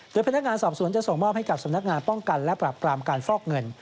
โดยพนักงานสอบสวนจะส่งมอบให้กับสำนักงานป้องกันและปรับกรามการฟอกเงิน